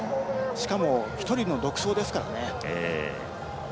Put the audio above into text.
しかも１人の独走ですからね。